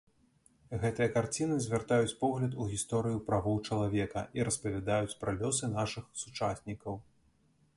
Гэтыя карціны звяртаюць погляд у гісторыю правоў чалавека і распавядаюць пра лёсы нашых сучаснікаў.